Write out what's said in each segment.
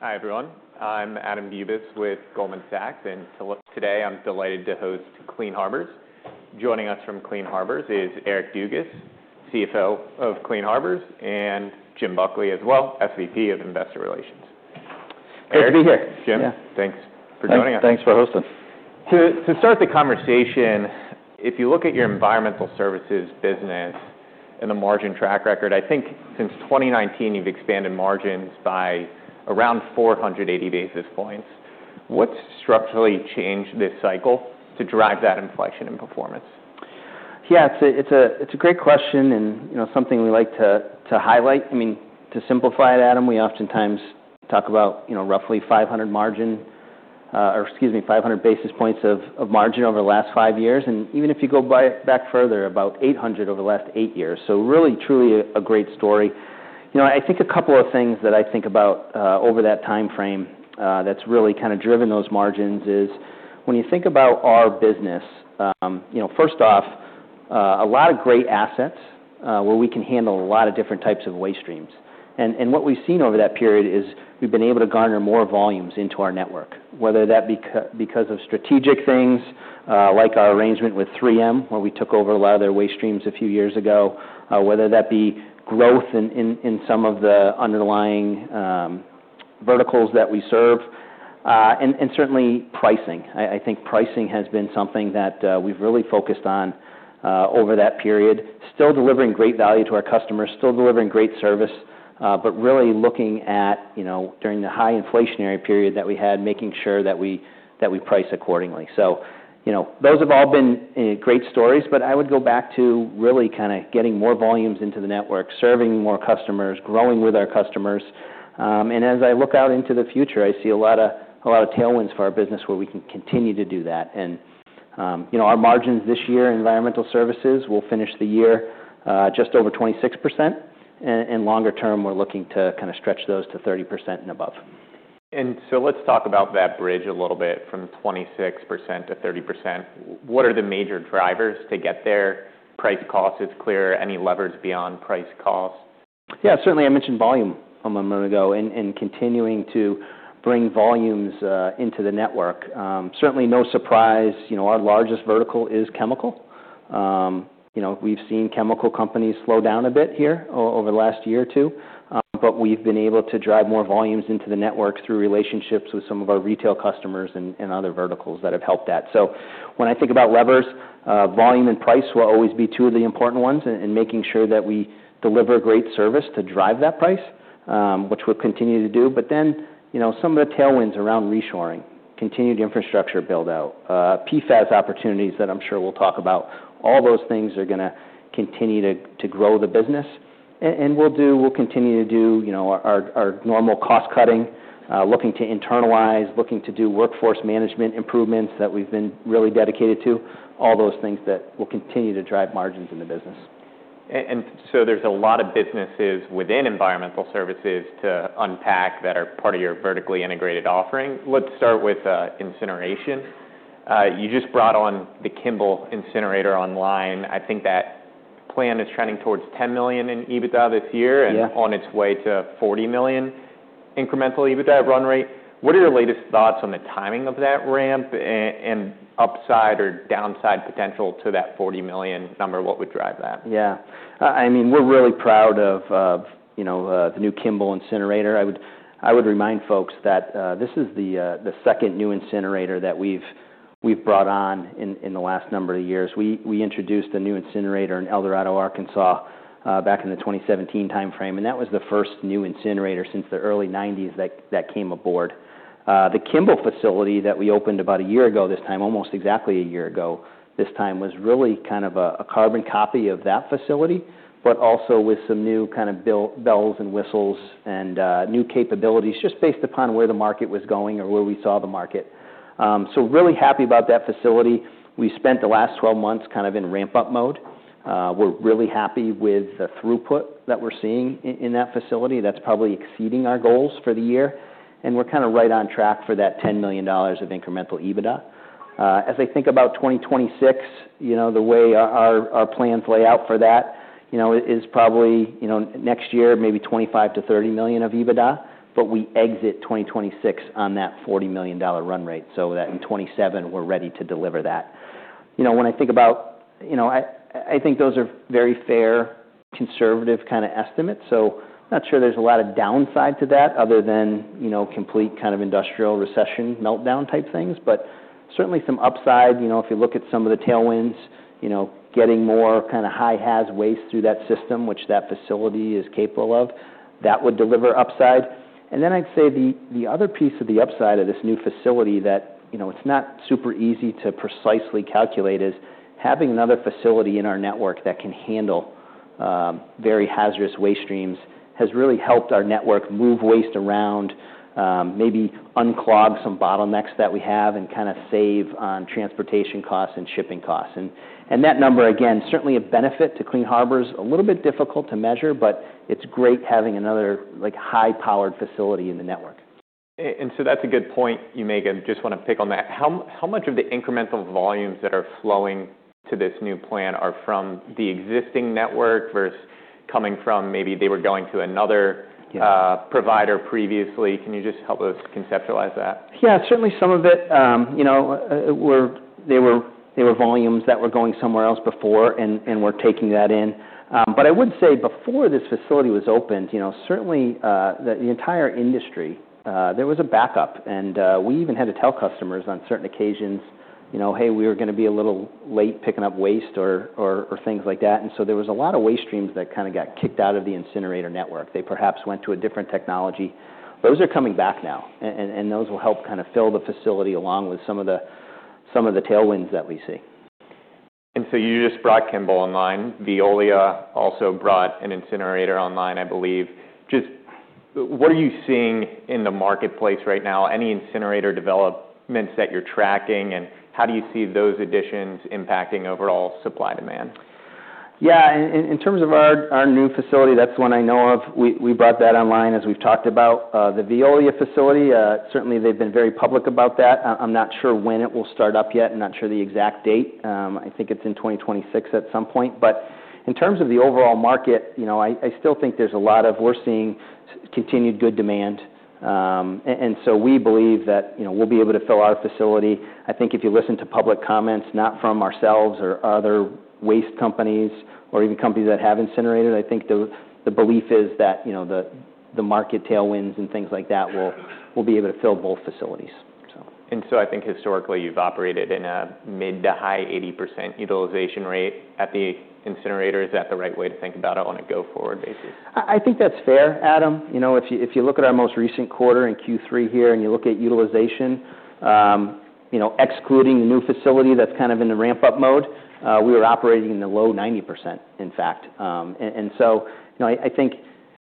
Hi everyone. I'm Adam Bubes with Goldman Sachs, and today I'm delighted to host Clean Harbors. Joining us from Clean Harbors is Eric Dugas, CFO of Clean Harbors, and Jim Buckley as well, SVP of Investor Relations. Great to be here. Jim. Yeah. Thanks for joining us. Thanks for hosting. To start the conversation, if you look at your environmental services business and the margin track record, I think since 2019 you've expanded margins by around 480 basis points. What's structurally changed this cycle to drive that inflection in performance? Yeah, it's a great question and something we like to highlight. I mean, to simplify it, Adam, we oftentimes talk about roughly 500 margin, or excuse me, 500 basis points of margin over the last five years. And even if you go back further, about 800 over the last eight years. So really, truly a great story. I think a couple of things that I think about over that time frame that's really kind of driven those margins is when you think about our business, first off, a lot of great assets where we can handle a lot of different types of waste streams. And what we've seen over that period is we've been able to garner more volumes into our network, whether that be because of strategic things like our arrangement with 3M, where we took over a lot of their waste streams a few years ago, whether that be growth in some of the underlying verticals that we serve, and certainly pricing. I think pricing has been something that we've really focused on over that period, still delivering great value to our customers, still delivering great service, but really looking at during the high inflationary period that we had, making sure that we price accordingly. So those have all been great stories, but I would go back to really kind of getting more volumes into the network, serving more customers, growing with our customers. As I look out into the future, I see a lot of tailwinds for our business where we can continue to do that. Our margins this year, environmental services, will finish the year just over 26%. Longer term, we're looking to kind of stretch those to 30% and above. And so let's talk about that bridge a little bit from 26% to 30%. What are the major drivers to get there? Price cost is clear. Any levers beyond price cost? Yeah, certainly I mentioned volume a moment ago and continuing to bring volumes into the network. Certainly no surprise, our largest vertical is chemical. We've seen chemical companies slow down a bit here over the last year or two, but we've been able to drive more volumes into the network through relationships with some of our retail customers and other verticals that have helped that. So when I think about levers, volume and price will always be two of the important ones and making sure that we deliver great service to drive that price, which we'll continue to do. But then some of the tailwinds around reshoring, continued infrastructure build-out, PFAS opportunities that I'm sure we'll talk about, all those things are going to continue to grow the business. We'll continue to do our normal cost cutting, looking to internalize, looking to do workforce management improvements that we've been really dedicated to, all those things that will continue to drive margins in the business. And so there's a lot of businesses within environmental services to unpack that are part of your vertically integrated offering. Let's start with incineration. You just brought on the Kimball Incinerator online. I think that plan is trending towards $10 million in EBITDA this year and on its way to $40 million incremental EBITDA run rate. What are your latest thoughts on the timing of that ramp and upside or downside potential to that $40 million number? What would drive that? Yeah. I mean, we're really proud of the new Kimball incinerator. I would remind folks that this is the second new incinerator that we've brought on in the last number of years. We introduced the new incinerator in El Dorado, Arkansas, back in the 2017 time frame, and that was the first new incinerator since the early 1990s that came aboard. The Kimball facility that we opened about a year ago this time, almost exactly a year ago this time, was really kind of a carbon copy of that facility, but also with some new kind of bells and whistles and new capabilities just based upon where the market was going or where we saw the market. So really happy about that facility. We spent the last 12 months kind of in ramp-up mode. We're really happy with the throughput that we're seeing in that facility. That's probably exceeding our goals for the year, and we're kind of right on track for that $10 million of incremental EBITDA. As I think about 2026, the way our plans lay out for that is probably next year, maybe $25 million-$30 million of EBITDA, but we exit 2026 on that $40 million run rate, so that in 2027, we're ready to deliver that. When I think about, I think those are very fair, conservative kind of estimates. I'm not sure there's a lot of downside to that other than complete kind of industrial recession, meltdown type things, but certainly some upside. If you look at some of the tailwinds, getting more kind of High Haz Waste through that system, which that facility is capable of, that would deliver upside. And then I'd say the other piece of the upside of this new facility that it's not super easy to precisely calculate is having another facility in our network that can handle very hazardous waste streams has really helped our network move waste around, maybe unclog some bottlenecks that we have and kind of save on transportation costs and shipping costs. And that number, again, certainly a benefit to Clean Harbors, a little bit difficult to measure, but it's great having another high-powered facility in the network. That's a good point you make. I just want to pick on that. How much of the incremental volumes that are flowing to this new plan are from the existing network versus coming from maybe they were going to another provider previously? Can you just help us conceptualize that? Yeah, certainly some of it, they were volumes that were going somewhere else before and we're taking that in. But I would say before this facility was opened, certainly the entire industry, there was a backup. And we even had to tell customers on certain occasions, "Hey, we were going to be a little late picking up waste or things like that." And so there was a lot of waste streams that kind of got kicked out of the incinerator network. They perhaps went to a different technology. Those are coming back now, and those will help kind of fill the facility along with some of the tailwinds that we see. And so you just brought Kimball online. Veolia also brought an incinerator online, I believe. Just what are you seeing in the marketplace right now? Any incinerator developments that you're tracking, and how do you see those additions impacting overall supply demand? Yeah, in terms of our new facility, that's the one I know of. We brought that online as we've talked about the Veolia facility. Certainly, they've been very public about that. I'm not sure when it will start up yet. I'm not sure the exact date. I think it's in 2026 at some point. But in terms of the overall market, I still think there's a lot. We're seeing continued good demand. And so we believe that we'll be able to fill our facility. I think if you listen to public comments, not from ourselves or other waste companies or even companies that have incinerators, I think the belief is that the market tailwinds and things like that will be able to fill both facilities. I think historically you've operated in a mid- to high 80% utilization rate at the incinerator. Is that the right way to think about it on a go-forward basis? I think that's fair, Adam. If you look at our most recent quarter in Q3 here and you look at utilization, excluding the new facility that's kind of in the ramp-up mode, we were operating in the low 90%, in fact, and so I think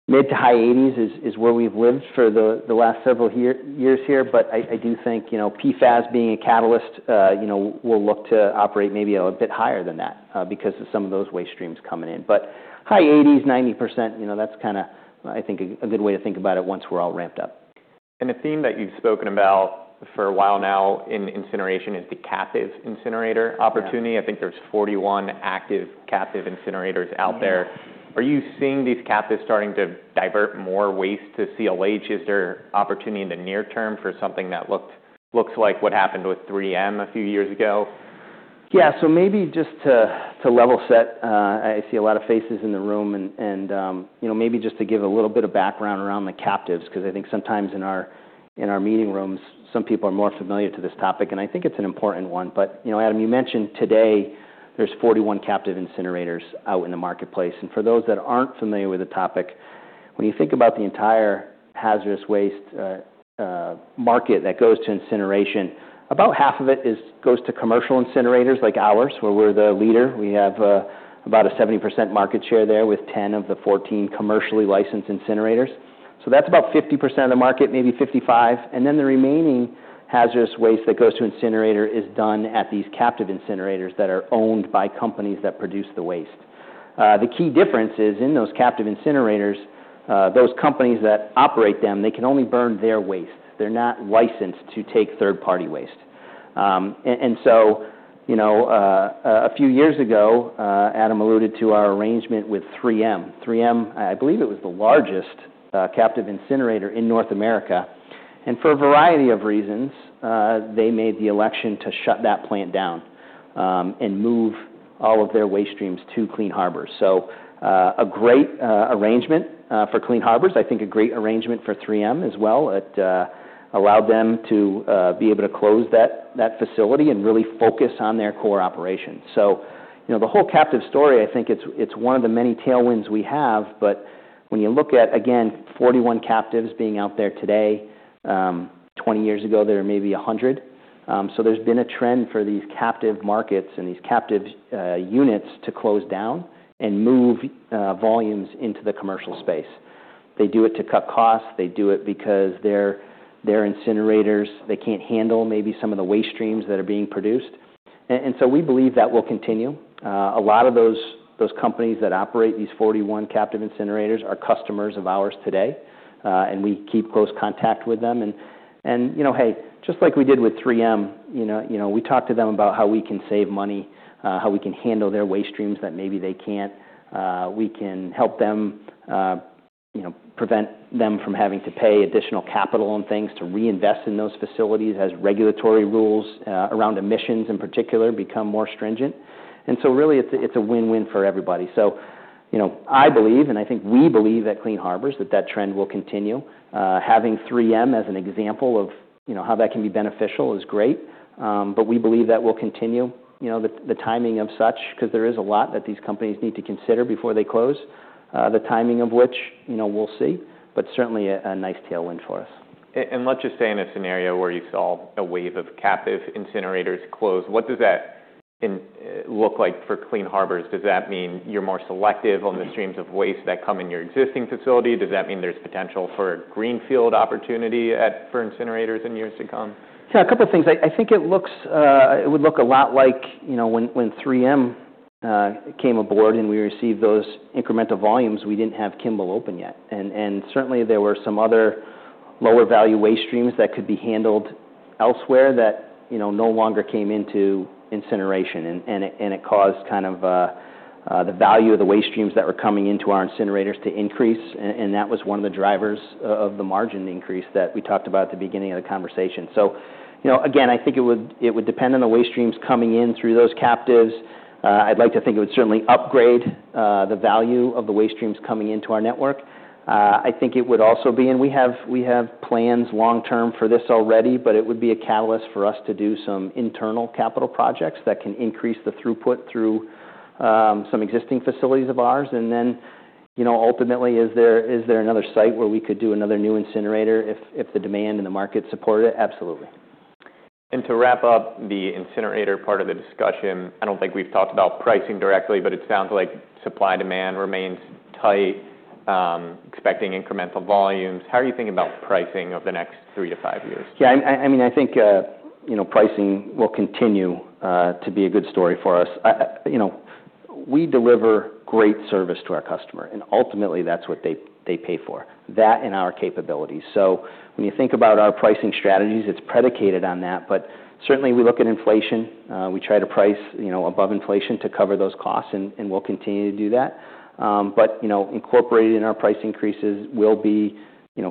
mid- to high 80s is where we've lived for the last several years here, but I do think PFAS being a catalyst, we'll look to operate maybe a bit higher than that because of some of those waste streams coming in, but high 80s-90%, that's kind of, I think, a good way to think about it once we're all ramped up. A theme that you've spoken about for a while now in incineration is the captive incinerator opportunity. I think there's 41 active captive incinerators out there. Are you seeing these captives starting to divert more waste to CLH? Is there opportunity in the near term for something that looks like what happened with 3M a few years ago? Yeah, so maybe just to level set, I see a lot of faces in the room, and maybe just to give a little bit of background around the captives, because I think sometimes in our meeting rooms, some people are more familiar to this topic, and I think it's an important one, but Adam, you mentioned today there's 41 captive incinerators out in the marketplace. And for those that aren't familiar with the topic, when you think about the entire hazardous waste market that goes to incineration, about half of it goes to commercial incinerators like ours, where we're the leader. We have about a 70% market share there with 10 of the 14 commercially licensed incinerators. So that's about 50% of the market, maybe 55%. And then the remaining hazardous waste that goes to incinerator is done at these captive incinerators that are owned by companies that produce the waste. The key difference is in those captive incinerators, those companies that operate them, they can only burn their waste. They're not licensed to take third-party waste. And so a few years ago, Adam alluded to our arrangement with 3M. 3M, I believe it was the largest captive incinerator in North America. And for a variety of reasons, they made the election to shut that plant down and move all of their waste streams to Clean Harbors. So a great arrangement for Clean Harbors. I think a great arrangement for 3M as well. It allowed them to be able to close that facility and really focus on their core operation. So the whole captive story, I think it's one of the many tailwinds we have, but when you look at, again, 41 captives being out there today, 20 years ago, there were maybe 100. So there's been a trend for these captive markets and these captive units to close down and move volumes into the commercial space. They do it to cut costs. They do it because their incinerators, they can't handle maybe some of the waste streams that are being produced. And so we believe that will continue. A lot of those companies that operate these 41 captive incinerators are customers of ours today, and we keep close contact with them. And hey, just like we did with 3M, we talked to them about how we can save money, how we can handle their waste streams that maybe they can't. We can help them prevent them from having to pay additional capital on things to reinvest in those facilities as regulatory rules around emissions in particular become more stringent, and so really, it's a win-win for everybody, so I believe, and I think we believe at Clean Harbors that that trend will continue. Having 3M as an example of how that can be beneficial is great, but we believe that will continue. The timing of such, because there is a lot that these companies need to consider before they close, the timing of which we'll see, but certainly a nice tailwind for us. Let's just say in a scenario where you saw a wave of captive incinerators close, what does that look like for Clean Harbors? Does that mean you're more selective on the streams of waste that come in your existing facility? Does that mean there's potential for greenfield opportunity for incinerators in years to come? Yeah, a couple of things. I think it would look a lot like when 3M came aboard and we received those incremental volumes. We didn't have Kimball open yet, and certainly, there were some other lower value waste streams that could be handled elsewhere that no longer came into incineration. It caused kind of the value of the waste streams that were coming into our incinerators to increase, and that was one of the drivers of the margin increase that we talked about at the beginning of the conversation. Again, I think it would depend on the waste streams coming in through those captives. I'd like to think it would certainly upgrade the value of the waste streams coming into our network. I think it would also be, and we have plans long-term for this already, but it would be a catalyst for us to do some internal capital projects that can increase the throughput through some existing facilities of ours. And then ultimately, is there another site where we could do another new incinerator if the demand and the market support it? Absolutely. To wrap up the incinerator part of the discussion, I don't think we've talked about pricing directly, but it sounds like supply-demand remains tight, expecting incremental volumes. How are you thinking about pricing over the next three to five years? Yeah, I mean, I think pricing will continue to be a good story for us. We deliver great service to our customer, and ultimately, that's what they pay for, that and our capabilities, so when you think about our pricing strategies, it's predicated on that, but certainly, we look at inflation. We try to price above inflation to cover those costs, and we'll continue to do that, but incorporated in our price increases will be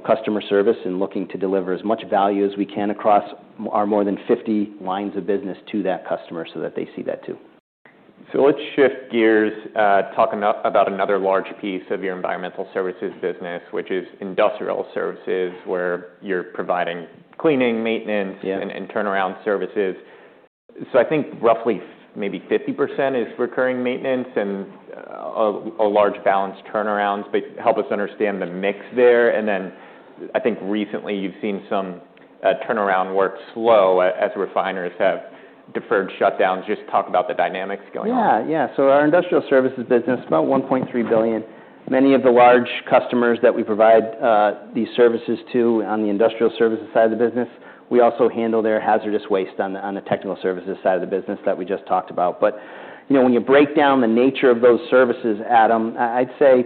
customer service and looking to deliver as much value as we can across our more than 50 lines of business to that customer so that they see that too. So let's shift gears, talking about another large piece of your environmental services business, which is industrial services, where you're providing cleaning, maintenance, and turnaround services. So I think roughly maybe 50% is recurring maintenance and a large balance turnarounds. But help us understand the mix there. And then I think recently you've seen some turnaround work slow as refiners have deferred shutdowns. Just talk about the dynamics going on. Yeah, yeah. So our industrial services business, about $1.3 billion. Many of the large customers that we provide these services to on the industrial services side of the business, we also handle their hazardous waste on the technical services side of the business that we just talked about. But when you break down the nature of those services, Adam, I'd say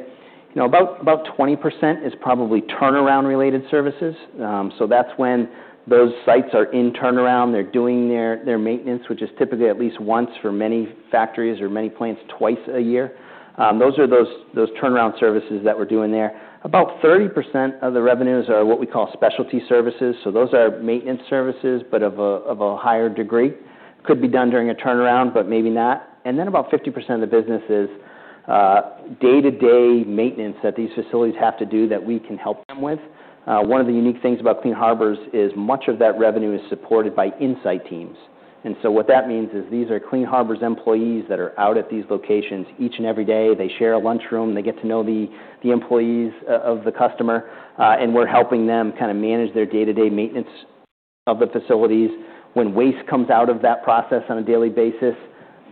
about 20% is probably turnaround-related services. So that's when those sites are in turnaround. They're doing their maintenance, which is typically at least once for many factories or many plants twice a year. Those are those turnaround services that we're doing there. About 30% of the revenues are what we call specialty services. So those are maintenance services, but of a higher degree. Could be done during a turnaround, but maybe not. And then about 50% of the business is day-to-day maintenance that these facilities have to do that we can help them with. One of the unique things about Clean Harbors is much of that revenue is supported by Insight Teams. And so what that means is these are Clean Harbors employees that are out at these locations each and every day. They share a lunchroom. They get to know the employees of the customer. And we're helping them kind of manage their day-to-day maintenance of the facilities. When waste comes out of that process on a daily basis,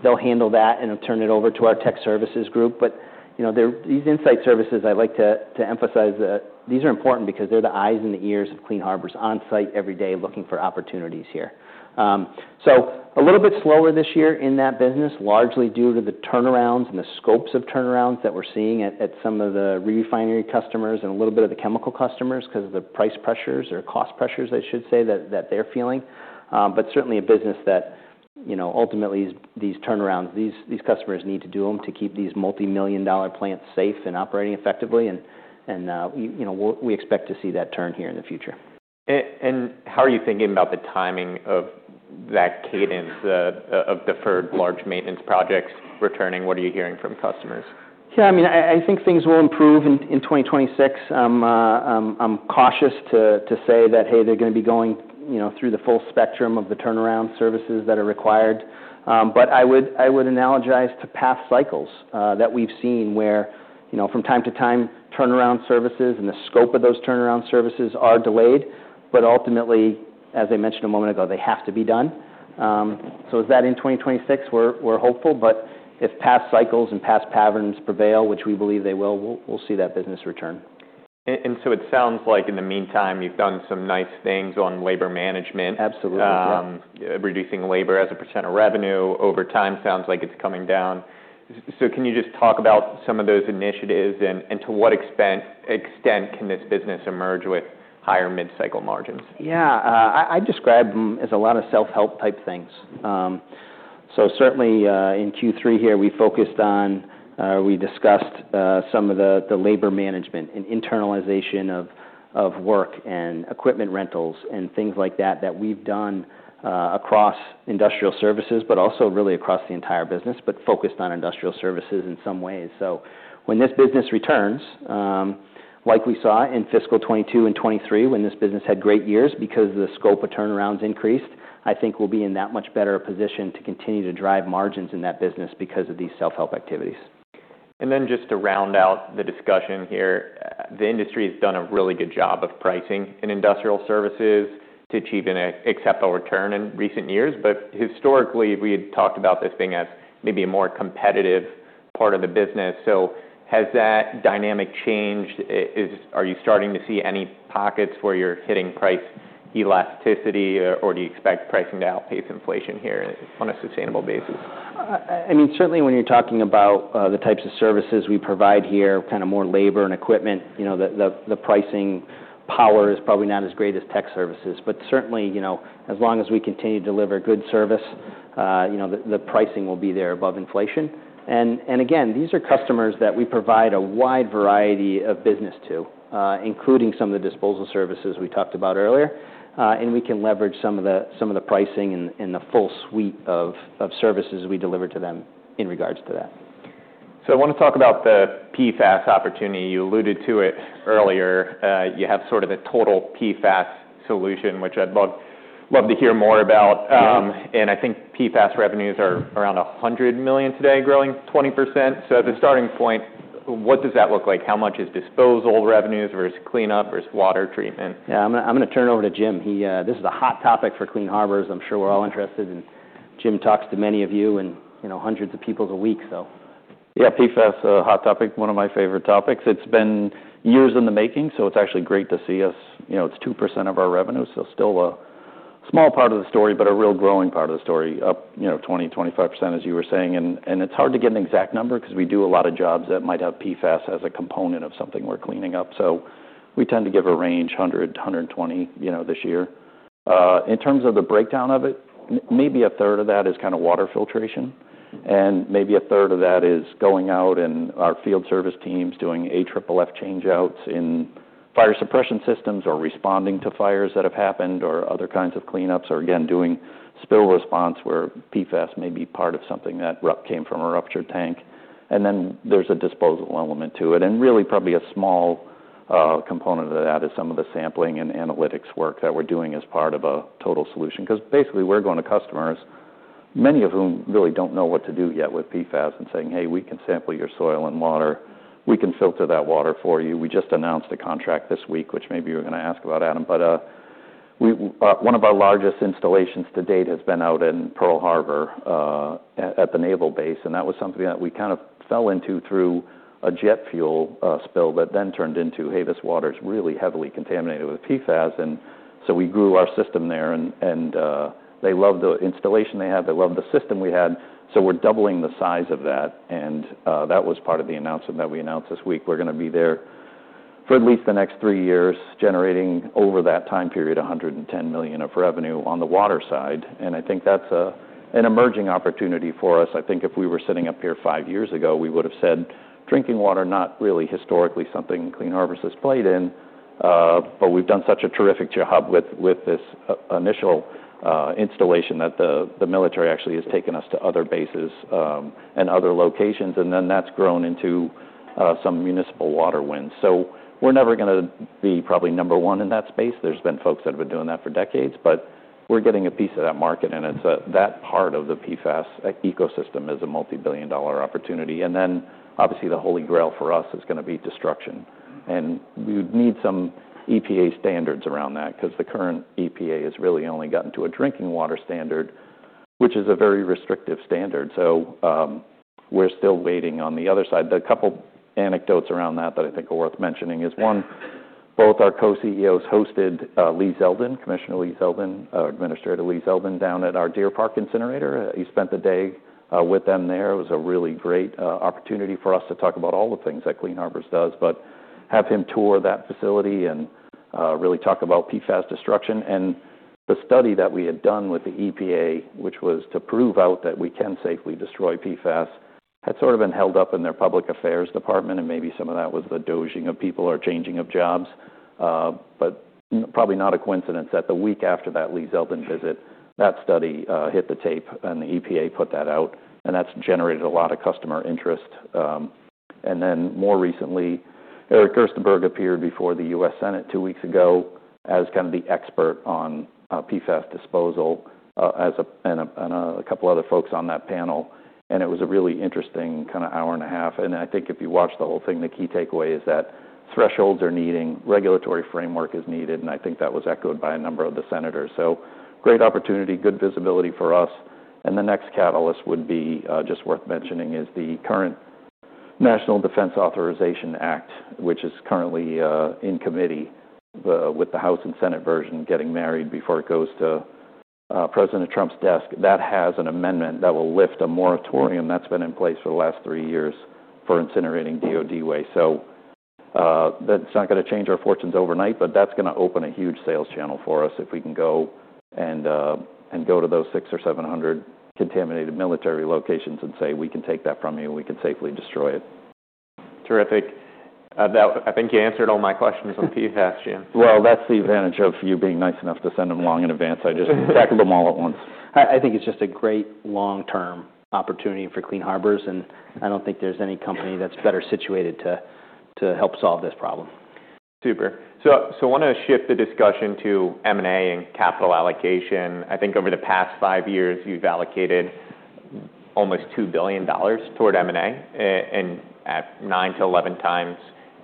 they'll handle that and turn it over to our tech services group. But these insight services, I'd like to emphasize that these are important because they're the eyes and the ears of Clean Harbors on site every day looking for opportunities here. A little bit slower this year in that business, largely due to the turnarounds and the scopes of turnarounds that we're seeing at some of the refinery customers and a little bit of the chemical customers because of the price pressures or cost pressures, I should say, that they're feeling. Certainly a business that ultimately these turnarounds, these customers need to do them to keep these multi-million dollar plants safe and operating effectively. We expect to see that turn here in the future. How are you thinking about the timing of that cadence of deferred large maintenance projects returning? What are you hearing from customers? Yeah, I mean, I think things will improve in 2026. I'm cautious to say that, hey, they're going to be going through the full spectrum of the turnaround services that are required. But I would analogize to past cycles that we've seen where from time to time, turnaround services and the scope of those turnaround services are delayed. But ultimately, as I mentioned a moment ago, they have to be done. So is that in 2026? We're hopeful. But if past cycles and past patterns prevail, which we believe they will, we'll see that business return. And so it sounds like in the meantime, you've done some nice things on labor management. Absolutely. Reducing labor as a % of revenue. Over time, sounds like it's coming down. So can you just talk about some of those initiatives and to what extent can this business emerge with higher mid-cycle margins? Yeah, I describe them as a lot of self-help type things. So certainly in Q3 here, we focused on or we discussed some of the labor management and internalization of work and equipment rentals and things like that that we've done across industrial services, but also really across the entire business, but focused on industrial services in some ways. So when this business returns, like we saw in fiscal 2022 and 2023, when this business had great years because the scope of turnarounds increased, I think we'll be in that much better position to continue to drive margins in that business because of these self-help activities. And then just to round out the discussion here, the industry has done a really good job of pricing in industrial services to achieve an acceptable return in recent years. But historically, we had talked about this being as maybe a more competitive part of the business. So has that dynamic changed? Are you starting to see any pockets where you're hitting price elasticity, or do you expect pricing to outpace inflation here on a sustainable basis? I mean, certainly when you're talking about the types of services we provide here, kind of more labor and equipment, the pricing power is probably not as great as tech services. But certainly, as long as we continue to deliver good service, the pricing will be there above inflation. And again, these are customers that we provide a wide variety of business to, including some of the disposal services we talked about earlier. And we can leverage some of the pricing and the full suite of services we deliver to them in regards to that. So I want to talk about the PFAS opportunity. You alluded to it earlier. You have sort of a total PFAS solution, which I'd love to hear more about. And I think PFAS revenues are around $100 million today, growing 20%. So as a starting point, what does that look like? How much is disposal revenues versus cleanup versus water treatment? Yeah, I'm going to turn over to Jim. This is a hot topic for Clean Harbors. I'm sure we're all interested, and Jim talks to many of you and hundreds of people a week, so. Yeah, PFAS is a hot topic, one of my favorite topics. It's been years in the making, so it's actually great to see us. It's 2% of our revenue. So still a small part of the story, but a real growing part of the story, up 20%, 25%, as you were saying. And it's hard to get an exact number because we do a lot of jobs that might have PFAS as a component of something we're cleaning up. So we tend to give a range, 100%-120% this year. In terms of the breakdown of it, maybe a third of that is kind of water filtration. Maybe a third of that is going out in our field service teams doing AFFF changeouts in fire suppression systems or responding to fires that have happened or other kinds of cleanups or, again, doing spill response where PFAS may be part of something that came from a ruptured tank. Then there's a disposal element to it. Really, probably a small component of that is some of the sampling and analytics work that we're doing as part of a total solution. Because basically, we're going to customers, many of whom really don't know what to do yet with PFAS and saying, "Hey, we can sample your soil and water. We can filter that water for you." We just announced a contract this week, which maybe you're going to ask about, Adam. But one of our largest installations to date has been out in Pearl Harbor at the naval base. And that was something that we kind of fell into through a jet fuel spill that then turned into, "Hey, this water is really heavily contaminated with PFAS." And so we grew our system there. And they loved the installation they had. They loved the system we had. So we're doubling the size of that. And that was part of the announcement that we announced this week. We're going to be there for at least the next three years, generating over that time period $110 million of revenue on the water side. And I think that's an emerging opportunity for us. I think if we were sitting up here five years ago, we would have said, "Drinking water, not really historically something Clean Harbors has played in." But we've done such a terrific job with this initial installation that the military actually has taken us to other bases and other locations. And then that's grown into some Municipal water wins. So we're never going to be probably number one in that space. There's been folks that have been doing that for decades. But we're getting a piece of that market. And that part of the PFAS ecosystem is a multi-billion-dollar opportunity. And then, obviously, the holy grail for us is going to be destruction. And we need some EPA standards around that because the current EPA has really only gotten to a drinking water standard, which is a very restrictive standard. So we're still waiting on the other side. A couple of anecdotes around that I think are worth mentioning is, one, both our Co-CEOs hosted Lee Zeldin, Commissioner Lee Zeldin, Administrator Lee Zeldin, down at our Deer Park incinerator. He spent the day with them there. It was a really great opportunity for us to talk about all the things that Clean Harbors does, but have him tour that facility and really talk about PFAS destruction, and the study that we had done with the EPA, which was to prove out that we can safely destroy PFAS, had sort of been held up in their public affairs department, and maybe some of that was the dozing of people or changing of jobs, but probably not a coincidence that the week after that Lee Zeldin visit, that study hit the tape and the EPA put that out, and that's generated a lot of customer interest. Then more recently, Eric Gerstenberg appeared before the U.S. Senate two weeks ago as kind of the expert on PFAS disposal and a couple of other folks on that panel. And it was a really interesting kind of hour and a half. And I think if you watch the whole thing, the key takeaway is that thresholds are needing, regulatory framework is needed. And I think that was echoed by a number of the senators. So great opportunity, good visibility for us. And the next catalyst would be just worth mentioning is the current National Defense Authorization Act, which is currently in committee with the House and Senate version getting married before it goes to President Trump's desk. That has an amendment that will lift a moratorium that's been in place for the last three years for incinerating DOD waste. That's not going to change our fortunes overnight, but that's going to open a huge sales channel for us if we can go to those six or seven hundred contaminated military locations and say, "We can take that from you. We can safely destroy it. Terrific. I think you answered all my questions on PFAS, Jim. That's the advantage of you being nice enough to send them along in advance. I just tackled them all at once. I think it's just a great long-term opportunity for Clean Harbors, and I don't think there's any company that's better situated to help solve this problem. Super. So I want to shift the discussion to M&A and capital allocation. I think over the past five years, you've allocated almost $2 billion toward M&A and at nine to 11 times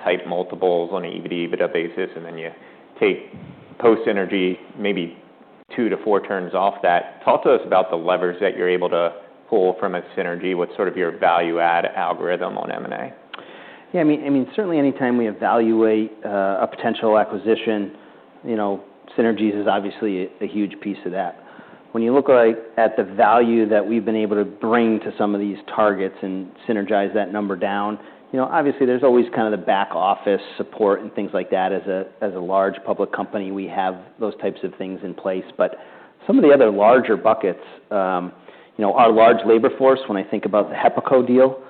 type multiples on an EV to EBITDA basis. And then you take post-synergy, maybe two to four turns off that. Talk to us about the levers that you're able to pull from a synergy. What's sort of your value-add algorithm on M&A? Yeah, I mean, certainly anytime we evaluate a potential acquisition, synergies is obviously a huge piece of that. When you look at the value that we've been able to bring to some of these targets and synergize that number down, obviously, there's always kind of the back office support and things like that. As a large public company, we have those types of things in place. But some of the other larger buckets, our large labor force, when I think about the HEPACO deal,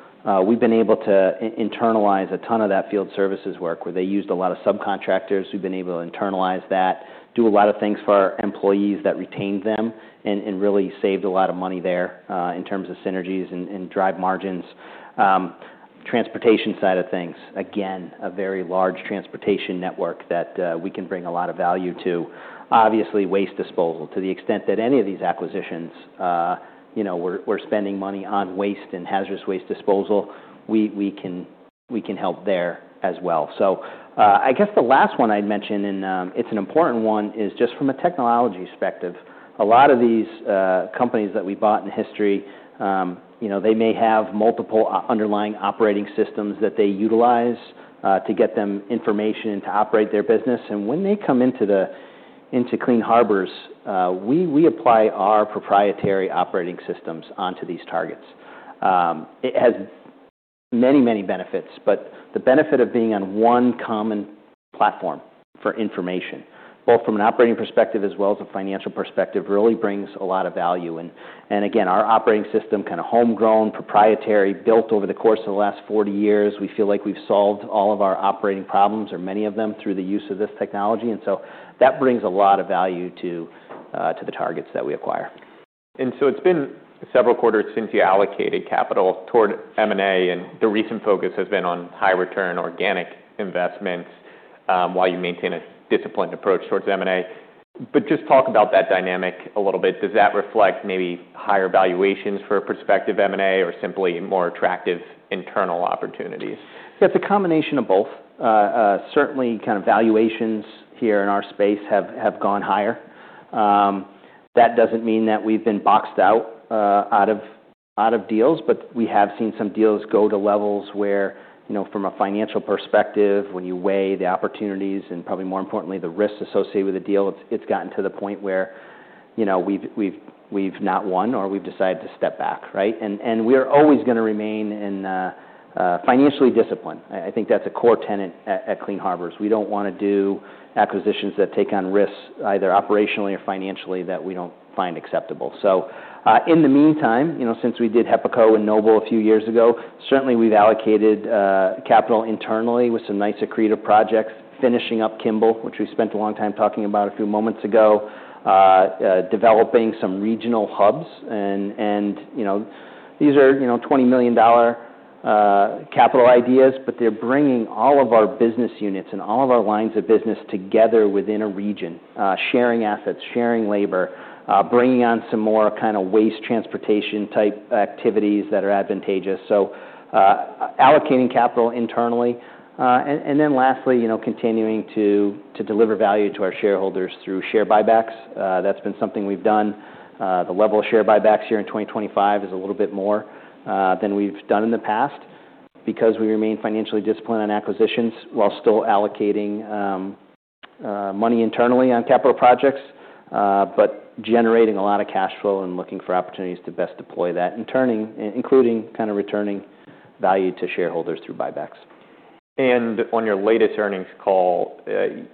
we've been able to internalize a ton of that field services work where they used a lot of subcontractors. We've been able to internalize that, do a lot of things for our employees that retained them and really saved a lot of money there in terms of synergies and drive margins. Transportation side of things, again, a very large transportation network that we can bring a lot of value to. Obviously, waste disposal to the extent that any of these acquisitions, we're spending money on waste and hazardous waste disposal. We can help there as well, so I guess the last one I'd mention, and it's an important one, is just from a technology perspective. A lot of these companies that we bought in history, they may have multiple underlying operating systems that they utilize to get them information to operate their business, and when they come into Clean Harbors, we apply our proprietary operating systems onto these targets. It has many, many benefits, but the benefit of being on one common platform for information, both from an operating perspective as well as a financial perspective, really brings a lot of value. And again, our operating system, kind of homegrown, proprietary, built over the course of the last 40 years, we feel like we've solved all of our operating problems or many of them through the use of this technology. And so that brings a lot of value to the targets that we acquire. And so it's been several quarters since you allocated capital toward M&A. And the recent focus has been on high-return organic investments while you maintain a disciplined approach toward M&A. But just talk about that dynamic a little bit. Does that reflect maybe higher valuations for a prospective M&A or simply more attractive internal opportunities? That's a combination of both. Certainly, kind of valuations here in our space have gone higher. That doesn't mean that we've been boxed out of deals. But we have seen some deals go to levels where, from a financial perspective, when you weigh the opportunities and probably more importantly, the risks associated with the deal, it's gotten to the point where we've not won or we've decided to step back, right? And we're always going to remain financially disciplined. I think that's a core tenet at Clean Harbors. We don't want to do acquisitions that take on risks either operationally or financially that we don't find acceptable. So in the meantime, since we did HEPACO and Noble a few years ago, certainly we've allocated capital internally with some nice accretive projects, finishing up Kimball, which we spent a long time talking about a few moments ago, developing some regional hubs. And these are $20 million capital ideas, but they're bringing all of our business units and all of our lines of business together within a region, sharing assets, sharing labor, bringing on some more kind of waste transportation type activities that are advantageous. So allocating capital internally. And then lastly, continuing to deliver value to our shareholders through share buybacks. That's been something we've done. The level of share buybacks here in 2025 is a little bit more than we've done in the past because we remain financially disciplined on acquisitions while still allocating money internally on capital projects, but generating a lot of cash flow and looking for opportunities to best deploy that, including kind of returning value to shareholders through buybacks. On your latest earnings call,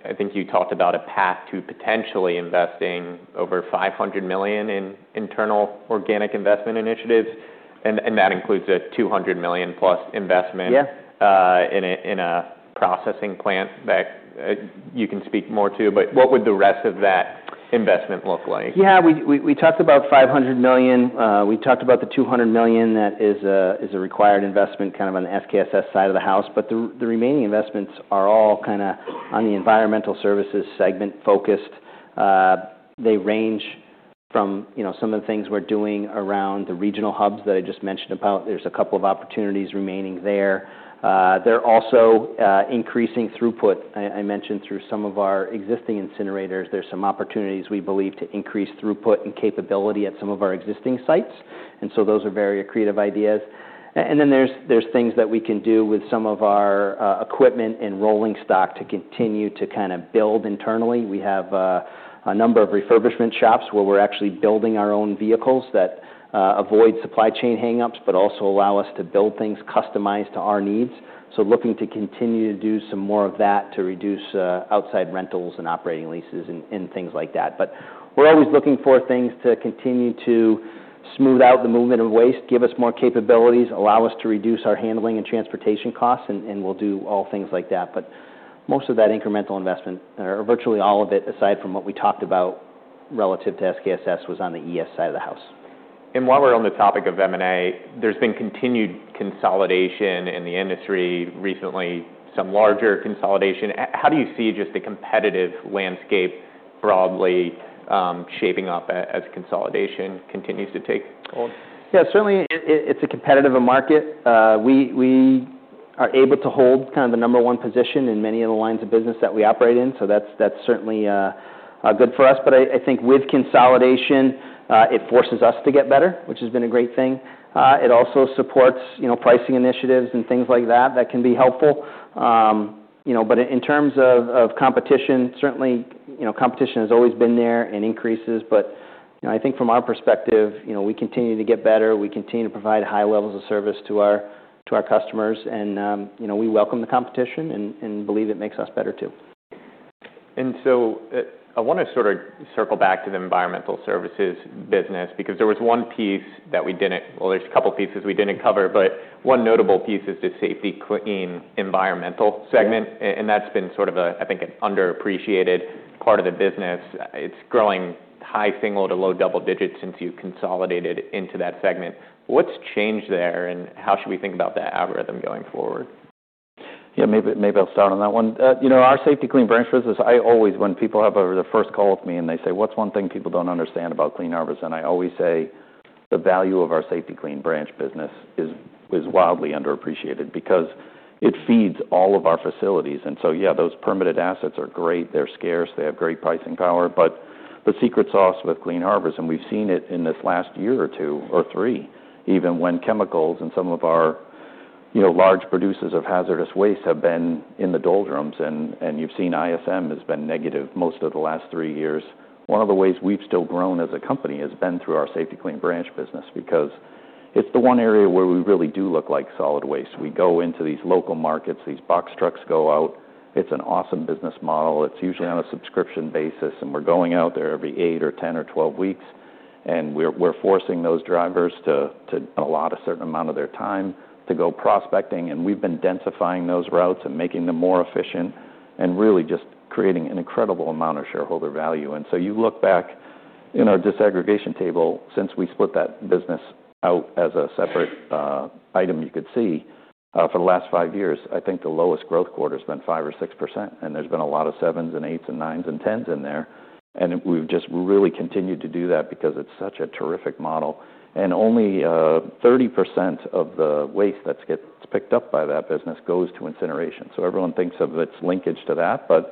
I think you talked about a path to potentially investing over $500 million in internal organic investment initiatives. That includes a $200 million plus investment in a processing plant that you can speak more to. What would the rest of that investment look like? Yeah, we talked about $500 million. We talked about the $200 million that is a required investment kind of on the SKSS side of the house. But the remaining investments are all kind of on the environmental services segment focused. They range from some of the things we're doing around the regional hubs that I just mentioned about. There's a couple of opportunities remaining there. They're also increasing throughput. I mentioned through some of our existing incinerators, there's some opportunities we believe to increase throughput and capability at some of our existing sites. And so those are very accretive ideas. And then there's things that we can do with some of our equipment and rolling stock to continue to kind of build internally. We have a number of refurbishment shops where we're actually building our own vehicles that avoid supply chain hangups, but also allow us to build things customized to our needs. So looking to continue to do some more of that to reduce outside rentals and operating leases and things like that. But we're always looking for things to continue to smooth out the movement of waste, give us more capabilities, allow us to reduce our handling and transportation costs. And we'll do all things like that. But most of that incremental investment, or virtually all of it, aside from what we talked about relative to SKSS, was on the ES side of the house. And while we're on the topic of M&A, there's been continued consolidation in the industry recently, some larger consolidation. How do you see just the competitive landscape broadly shaping up as consolidation continues to take hold? Yeah, certainly it's a competitive market. We are able to hold kind of the number one position in many of the lines of business that we operate in, so that's certainly good for us, but I think with consolidation, it forces us to get better, which has been a great thing. It also supports pricing initiatives and things like that that can be helpful, but in terms of competition, certainly competition has always been there and increases, but I think from our perspective, we continue to get better. We continue to provide high levels of service to our customers, and we welcome the competition and believe it makes us better too. So I want to sort of circle back to the environmental services business because there was one piece that we didn't, well, there's a couple of pieces we didn't cover. But one notable piece is the Safety-Kleen environmental segment. And that's been sort of, I think, an underappreciated part of the business. It's growing high single- to low double-digit % since you consolidated into that segment. What's changed there and how should we think about that algorithm going forward? Yeah, maybe I'll start on that one. Our Safety-Kleen branded business, I always, when people have the first call with me and they say, "What's one thing people don't understand about Clean Harbors?", and I always say, "The value of our Safety-Kleen branded business is wildly underappreciated because it feeds all of our facilities," and so, yeah, those permitted assets are great. They're scarce. They have great pricing power, but the secret sauce with Clean Harbors, and we've seen it in this last year or two or three, even when chemicals and some of our large producers of hazardous waste have been in the doldrums, and you've seen ISM has been negative most of the last three years. One of the ways we've still grown as a company has been through our Safety-Kleen branded business because it's the one area where we really do look like solid waste. We go into these local markets. These box trucks go out. It's an awesome business model. It's usually on a subscription basis. And we're going out there every eight or 10 or 12 weeks. And we're forcing those drivers to allot a certain amount of their time to go prospecting. And we've been densifying those routes and making them more efficient and really just creating an incredible amount of shareholder value. And so you look back in our disaggregation table, since we split that business out as a separate item, you could see for the last five years, I think the lowest growth quarter has been 5% or 6%. And there's been a lot of sevens and eights and nines and tens in there. And we've just really continued to do that because it's such a terrific model. Only 30% of the waste that gets picked up by that business goes to incineration. So everyone thinks of its linkage to that. But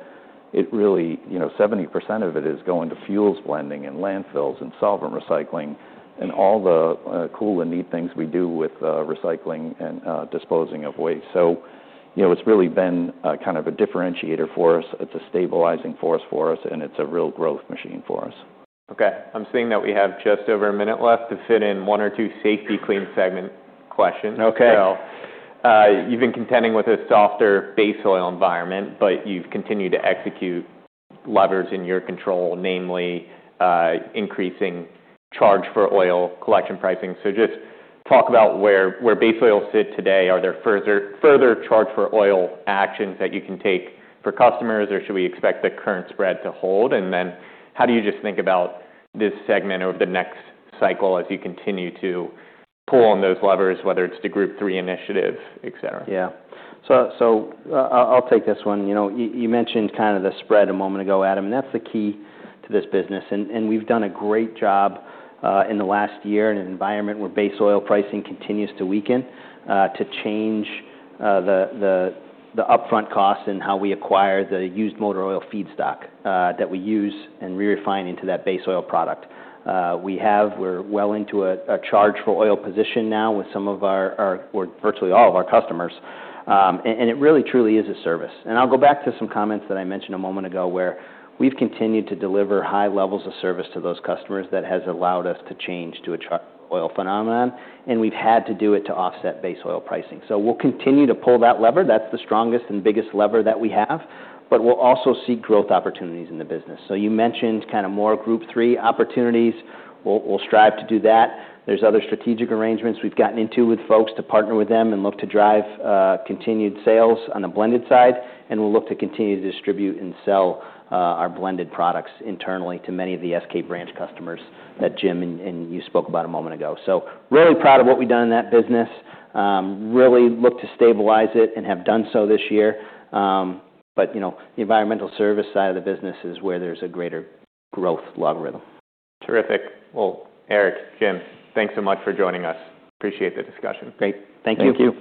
really, 70% of it is going to fuels blending and landfills and solvent recycling and all the cool and neat things we do with recycling and disposing of waste. So it's really been kind of a differentiator for us. It's a stabilizing force for us. And it's a real growth machine for us. Okay. I'm seeing that we have just over a minute left to fit in one or two Safety-Kleen segment questions. So you've been contending with a softer base oil environment, but you've continued to execute levers in your control, namely increasing charge for oil collection pricing. So just talk about where base oil sits today. Are there further charge for oil actions that you can take for customers, or should we expect the current spread to hold? And then how do you just think about this segment over the next cycle as you continue to pull on those levers, whether it's the Group 3 initiative, etc.? Yeah, so I'll take this one. You mentioned kind of the spread a moment ago, Adam, and that's the key to this business, and we've done a great job in the last year in an environment where base oil pricing continues to weaken, to change the upfront costs and how we acquire the used motor oil feedstock that we use and re-refine into that base oil product. We're well into a charge for oil position now with some of our, well, virtually all of our customers, and it really, truly is a service, and I'll go back to some comments that I mentioned a moment ago where we've continued to deliver high levels of service to those customers that has allowed us to change to a charge for oil phenomenon, and we've had to do it to offset base oil pricing, so we'll continue to pull that lever. That's the strongest and biggest lever that we have. But we'll also seek growth opportunities in the business. So you mentioned kind of more Group 3 opportunities. We'll strive to do that. There's other strategic arrangements we've gotten into with folks to partner with them and look to drive continued sales on the blended side. And we'll look to continue to distribute and sell our blended products internally to many of the SK branch customers that Jim and you spoke about a moment ago. So really proud of what we've done in that business. Really look to stabilize it and have done so this year. But the environmental service side of the business is where there's a greater growth logarithm. Terrific. Well, Eric, Jim, thanks so much for joining us. Appreciate the discussion. Great. Thank you.